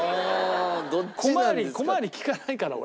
小回り小回り利かないから俺。